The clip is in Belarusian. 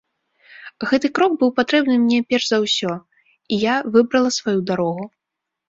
Гэты крок быў патрэбны мне перш за ўсё, і я выбрала сваю дарогу.